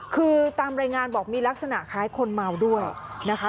คือตามรายงานบอกมีลักษณะคล้ายคนเมาด้วยนะคะ